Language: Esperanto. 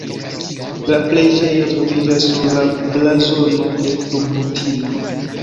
La preĝejo troviĝas sur la blazono de Lubitino.